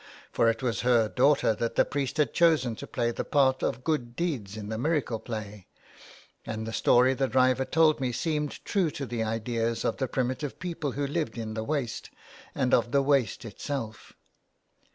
For it was her daughter that the priest had chosen to play the part of Good Deeds in the miracle play, and the story the driver told me seemed true to the ideas of the primitive people who lived in the waste, and of the waste itself.